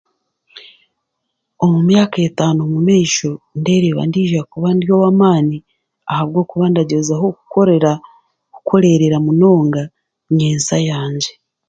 Omu myaka etaano mu maisho, ndereeba ngu ndaiza kuba ndi ow'amaani ahabwokuba ndagyezaho kukorerera munonga nyensya yangye.